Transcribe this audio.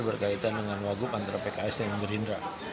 berkaitan dengan wagup antara pks dan gerindra